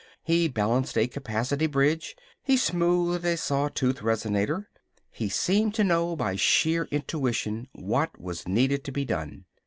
He balanced a capacity bridge. He soothed a saw tooth resonator. He seemed to know by sheer intuition what was needed to be done.